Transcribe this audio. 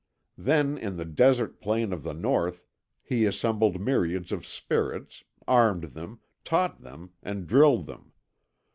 Then in the desert plain of the North he assembled myriads of Spirits, armed them, taught them, and drilled them.